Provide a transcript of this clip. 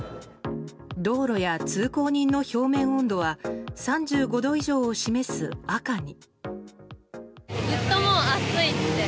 道路や通行人の表面温度は３５度以上を示す赤に。